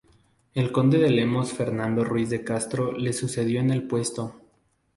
El conde de Lemos Fernando Ruiz de Castro le sucedió en el puesto.